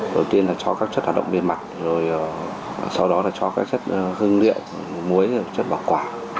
đầu tiên là cho các chất hoạt động bề mặt rồi sau đó là cho các chất hương liệu muối chất bảo quả